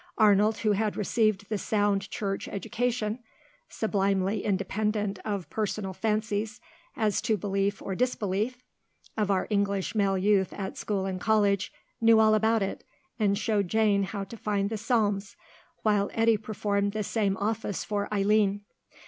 Arnold, who had received the sound Church education (sublimely independent of personal fancies as to belief or disbelief) of our English male youth at school and college, knew all about it, and showed Jane how to find the Psalms, while Eddy performed the same office for Eileen.